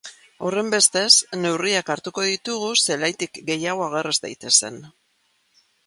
Horrenbestez, neurriak hartuko ditugu zelaitik gehiago ager ez daitezen.